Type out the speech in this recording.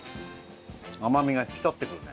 甘みが引き立ってくるね。